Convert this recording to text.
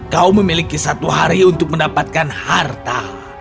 kau memiliki satu hari untuk mendapatkan harta